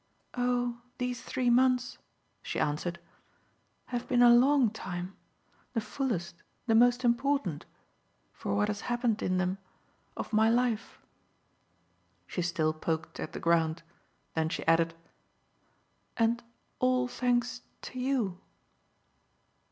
"Oh these three months," she answered, "have been a long time: the fullest, the most important, for what has happened in them, of my life." She still poked at the ground; then she added: "And all thanks to YOU."